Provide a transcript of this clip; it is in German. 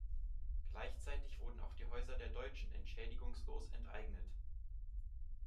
Gleichzeitig wurden auch die Häuser der Deutschen entschädigungslos enteignet.